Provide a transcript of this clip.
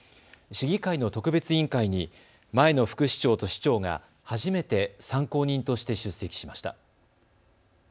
市議会の特別委員会に前の副市長と市長が初めて参考人として出席しました。